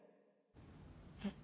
えっ？